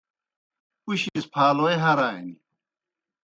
پُشیْ سہ پھالوئے ہرانیْ۔